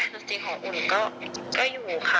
แต่จริงของอุ่นก็อยู่ค่ะแฟนอุ่นเขาก็ยังอยู่กับอุ่นนะ